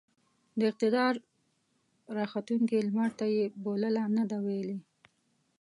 د اقتدار راختونکي لمرته يې بولـله نه ده ويلې.